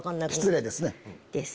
失礼ですね。